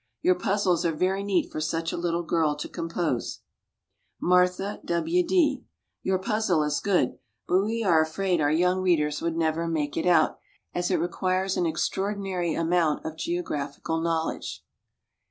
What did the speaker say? Your puzzles are very neat for such a little girl to compose. MARTHA W. D. Your puzzle is good, but we are afraid our young readers would never make it out, as it requires an extraordinary amount of geographical knowledge.